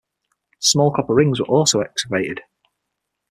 Small copper rings were also excavated.